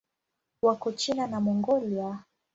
Wako China na Mongolia.